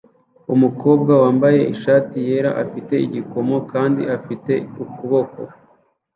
Umukobwa wambaye ishati yera afite igikomo kandi afite ukuboko